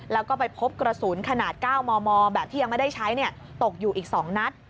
แล้วก็ไปพบกระสุนขนาด๙มมแบบที่ยังไม่ได้ใช้ตกอยู่อีก๒นัด